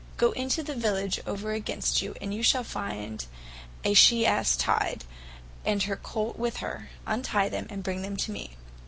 2,3) "Go into the Village over against you, and you shall find a shee Asse tyed, and her Colt with her, unty them, and bring them to me.